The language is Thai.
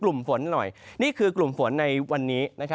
กลุ่มฝนหน่อยนี่คือกลุ่มฝนในวันนี้